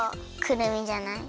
くるみじゃない？